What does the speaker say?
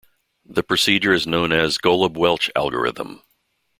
This procedure is known as "Golub-Welsch algorithm".